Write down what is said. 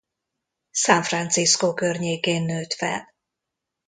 San Francisco környékén nőtt fel.